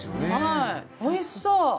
おいしそう。